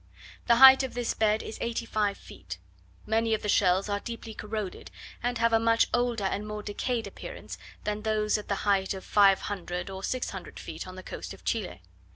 The height of this bed is eighty five feet. Many of the shells are deeply corroded, and have a much older and more decayed appearance than those at the height of 500 or 600 feet on the coast of Chile.